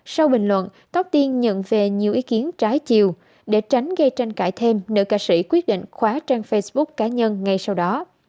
sau bình luận có tiên nhận về nhiều ý kiến trái chiều để tránh gây tranh cãi thêm nữ ca sĩ quyết định khóa trang facebook cá nhân ngay sau đó